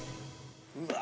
うわ！